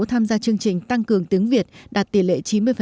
tham gia chương trình tăng cường tiếng việt đạt tỷ lệ chín mươi